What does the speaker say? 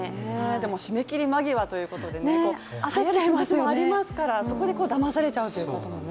でも、締め切り間際ということで、はやる気持ちもありますから、そこで、だまされちゃうという方もね。